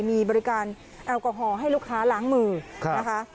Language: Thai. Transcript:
มีบริการแอลกอฮอล์ให้ลูกค้าล้างมือนะคะ